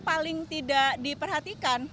paling tidak diperhatikan